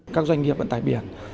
các doanh nghiệp vận tải biển